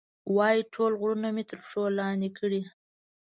وایي، ټول غرونه مې تر پښو لاندې کړي.